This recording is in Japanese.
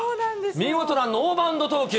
見事なノーバウンド投球。